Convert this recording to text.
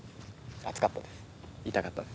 熱かったです。